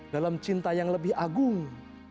dalam cinta yang lebih agung